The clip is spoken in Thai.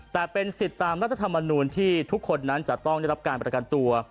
แต่เป็นสิทธิ์ตามรัฐธรรมนูลที่ทุกคนนั้นจะต้องได้รับการประกันตัว